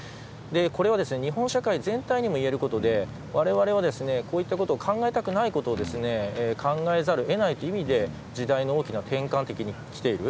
これは日本社会全体にもいえることでわれわれはこういった考えたくないことを考えざるを得ないという意味で時代の大きな転換期に来ている。